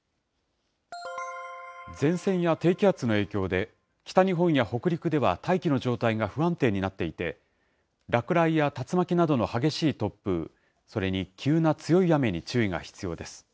前線や低気圧の影響で、北日本や北陸では大気の状態が不安定になっていて、落雷や竜巻などの激しい突風、それに急な強い雨に注意が必要です。